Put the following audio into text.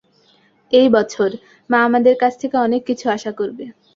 এই বছর, মা আমাদের কাছ থেকে অনেক কিছু আশা করবে।